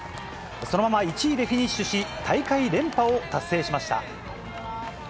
そのまま１位でフィニッシュし、大会連覇を達成しました。